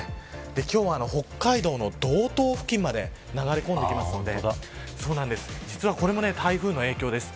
今日は北海道の道東付近まで流れ込んできますので実は、これも台風の影響です。